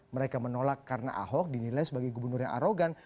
mereka menolak karena ahok dinilai sebagai gubernur yang arogan